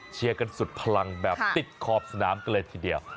เชียร์กันสุดพลังแบบติดขอบสนามกันเลยทีเดียว